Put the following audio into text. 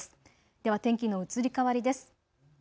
では天気の移り変わりです。